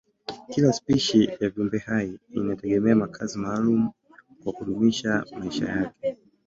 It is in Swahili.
Kila spishi ya viumbehai inategemea makazi maalumu kwa kudumisha maisha yake.